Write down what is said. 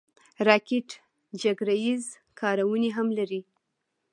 راکټ جګړه ییز کارونې هم لري